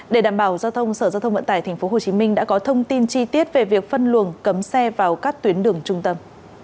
để đảm bảo giao thông sở giao thông vận tải tp hcm đã có thông tin chi tiết về việc phân luồng cấm xe vào các tuyến đường trung tâm